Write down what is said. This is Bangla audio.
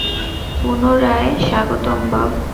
পুনরায় স্বাগতম, বব।